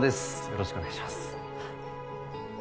よろしくお願いします